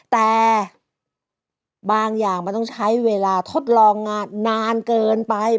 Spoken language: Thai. แต่บางอย่างมันต้องใช้เวลาทดลองงานนานเกินไป